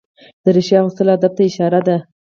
دریشي اغوستل ادب ته اشاره ده.